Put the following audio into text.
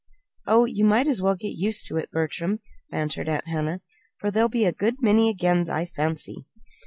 "Oh, you might as well get used to it, Bertram," bantered Aunt Hannah, "for there'll be a good many 'agains,' I fancy."